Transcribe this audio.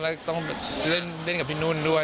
เสียดายตอนแรกต้องเล่นกับพี่นุ่นด้วย